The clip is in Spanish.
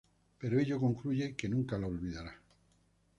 Pero ella concluye que nunca lo olvidará.